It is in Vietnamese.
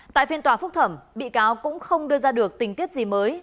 tại phiên tòa phúc thẩm bị cáo cũng không đưa ra được tình tiết gì mới